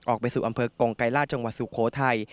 ออกไปสู่อำเภอกงไกรราชจังหวัดสุโขทัย